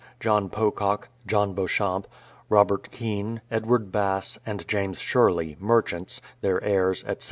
: John Pocock, John Beauchamp, Robert Kean, Edward Bass, and James Sherley, merchants, their heirs, etc.